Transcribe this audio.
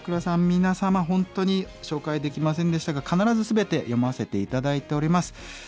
皆様本当に紹介できませんでしたが必ず全て読ませて頂いております。